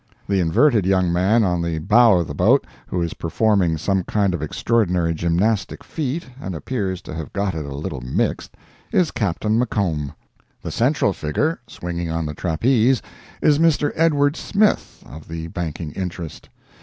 The inverted young man on the bow of the boat who is performing some kind of extraordinary gymnastic feat and appears to have got it a little mixed, is Captain McComb. The central figure, swinging on the trapeze, is Mr. Edward Smith, of the banking interest.